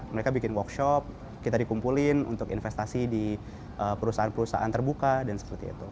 mereka bikin workshop kita dikumpulin untuk investasi di perusahaan perusahaan terbuka dan seperti itu